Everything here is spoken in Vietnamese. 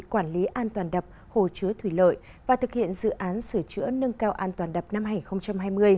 quản lý an toàn đập hồ chứa thủy lợi và thực hiện dự án sửa chữa nâng cao an toàn đập năm hai nghìn hai mươi